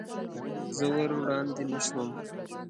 زه ور وړاندې نه شوم.